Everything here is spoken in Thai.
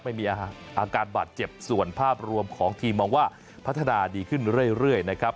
ไม่มีอาการบาดเจ็บส่วนภาพรวมของทีมมองว่าพัฒนาดีขึ้นเรื่อยนะครับ